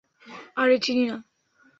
আরে চিনি না।